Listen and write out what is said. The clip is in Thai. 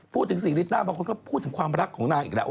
พูดถึงศรีริต้าบางคนก็พูดถึงความรักของนางอีกแล้ว